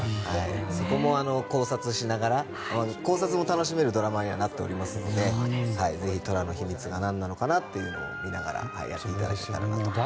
そこも考察しながら考察も楽しめるドラマになっておりますのでぜひ、虎の秘密がなんなのかを見ながら見ていただけたらと思います。